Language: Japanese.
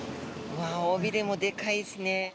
うわっおびれもでかいっすね。